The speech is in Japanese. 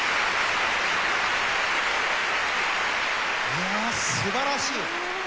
いや素晴らしい！